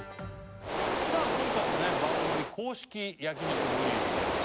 さあ今回もね番組公式焼肉グリルであります